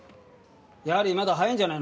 やはりまだ早いんじゃないのか？